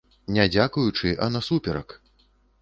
Не дзякуючы, а насуперак!